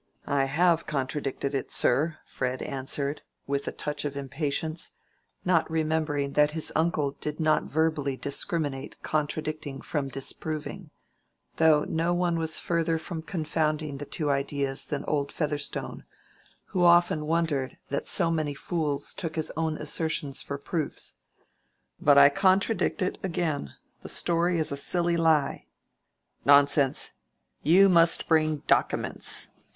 "I have contradicted it, sir," Fred answered, with a touch of impatience, not remembering that his uncle did not verbally discriminate contradicting from disproving, though no one was further from confounding the two ideas than old Featherstone, who often wondered that so many fools took his own assertions for proofs. "But I contradict it again. The story is a silly lie." "Nonsense! you must bring dockiments.